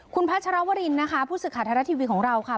คุณพระชรวรินนะคะผู้ศึกขาดธรรมดาทีวีของเราค่ะ